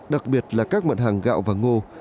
đặc biệt là các mận hàng gạo và ngô